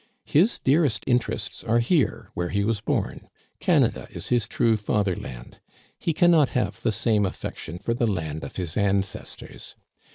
His dear est interests are here where he was bom, Canada is his true fatherland. He can not have the same affec tion for the land of his ancestors.